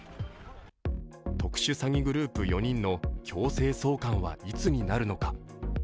特殊詐欺グループ４人の強制送還はいつになるのか。